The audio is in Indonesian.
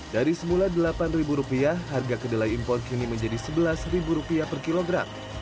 dari semula delapan rupiah harga kedelai impor kini menjadi sebelas rupiah per kilogram